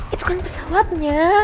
itu kan pesawatnya